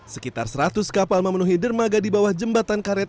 sekitar seratus kapal memenuhi dermaga di bawah jembatan karet